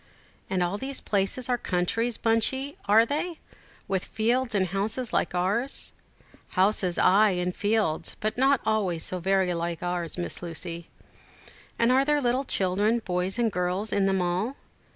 "And all these places are countries, Bunchey, are they, with fields and houses like ours?" "Houses, ay, and fields, but not always so very like ours, Miss Lucy." "And are there little children, boys and girls, in them all?"